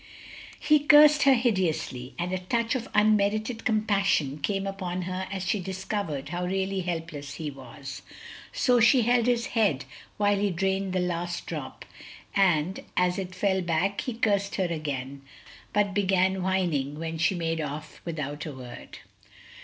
He cursed her hideously, and a touch of unmerited compassion came upon her as she discovered how really helpless he was. So she held his head while he drained the last drop, and as it fell back he cursed her again, but began whining when she made off without a word.